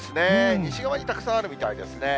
西側にたくさんあるみたいですね。